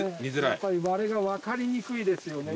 やっぱり割れが分かりにくいですよね。